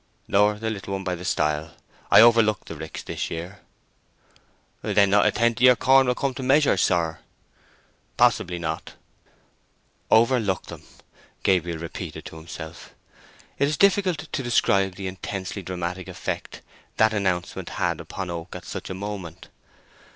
"Nor the little one by the stile. I overlooked the ricks this year." "Then not a tenth of your corn will come to measure, sir." "Possibly not." "Overlooked them," repeated Gabriel slowly to himself. It is difficult to describe the intensely dramatic effect that announcement had upon Oak at such a moment.